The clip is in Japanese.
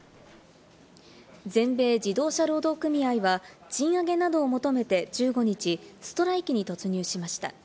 全米自動車労働組合は賃上げなどを求めて１５日、ストライキに突入しました。